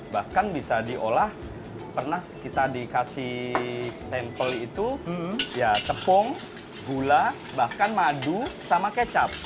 bahkan bisa diolah pernah kita dikasih sampel itu ya tepung gula bahkan madu sama kecap